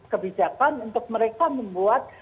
kebijakan untuk mereka membuat